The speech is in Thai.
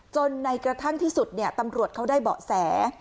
ในกระทั่งที่สุดตำรวจเขาได้เบาะแส